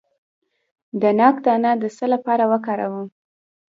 د ناک دانه د څه لپاره وکاروم؟